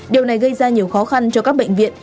điều này gây ra nhiều khó khăn cho các bệnh viện